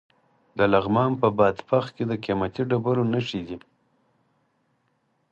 د لغمان په بادپخ کې د قیمتي ډبرو نښې دي.